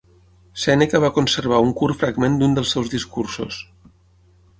Sèneca va conservar un curt fragment d'un dels seus discursos.